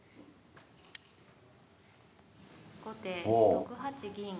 後手６八銀。